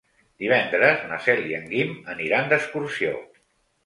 Divendres na Cel i en Guim aniran d'excursió.